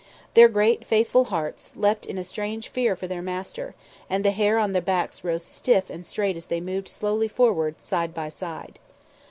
Their great faithful hearts, leapt in a strange fear for their master, and the hair on their backs rose stiff and straight as they moved slowly forward, side by side.